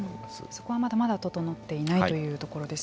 そこはまだまだ整っていないというところですね。